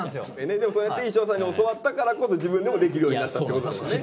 そうやって衣装さんに教わったからこそ自分でもできるようになったってことだもんね。